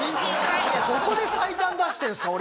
どこで最短出してるんですか